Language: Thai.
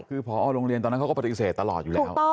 คือพอโรงเรียนตอนนั้นเขาก็ปฏิเสธตลอดอยู่แล้ว